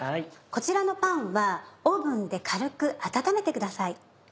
こちらのパンはオーブンで軽く温めてください。